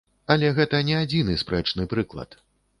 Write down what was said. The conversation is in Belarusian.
Але гэта не адзіны спрэчны прыклад.